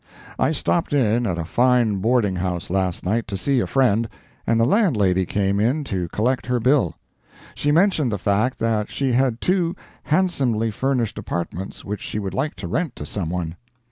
I stopped in at a fine boarding house last night to see a friend, and the landlady came in to collect her bill. She mentioned the fact that she had two handsomely furnished apartments which she would like to rent to someone.